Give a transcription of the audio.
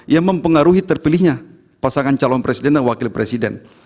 yang mempengaruhi terpilihnya pasangan calon presiden dan wakil presiden